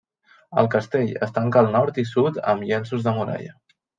El castell es tanca al nord i sud amb llenços de muralla.